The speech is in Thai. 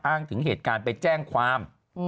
ถึงเหตุการณ์ไปแจ้งความ